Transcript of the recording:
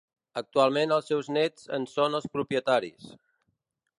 Actualment els seus néts en són els propietaris.